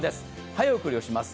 早送りをします。